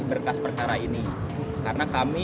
berkas perkara ini karena kami